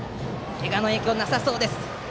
けがの影響なさそうです。